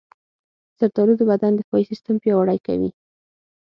زردالو د بدن دفاعي سیستم پیاوړی کوي.